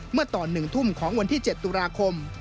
เมื่อตอน๑ทุ่มของวันที่๗ตุลาคม